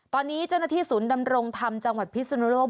ตอนนี้เจ้าหน้าที่ศูนย์ดำรงธรรมจังหวัดพิสุนโลก